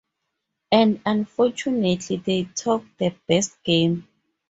And unfortunately they talk the best game.